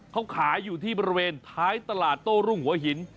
เขาขายอยู่ที่บริเวณท้ายตลาดโต้รุ่งหัวหิน